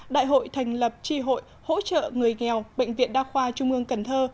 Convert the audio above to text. đại hội thành lập tri hội hỗ trợ người nghèo bệnh viện đa khoa trung ương cần thơ